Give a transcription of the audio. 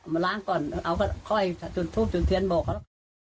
มาล้างก่อนเอาก็ค่อยจุดทูบจุดเทียนโบกเขา